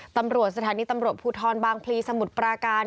ตำรวจสถานีตำรวจภูทรบางพลีสมุทรปราการ